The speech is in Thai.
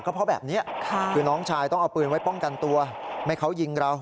เพราะแบบนี้คือน้องชายต้องเอาปืนไว้ป้องกันตัวไม่เขายิงเรา